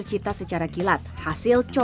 dibeda sama yang lain gitu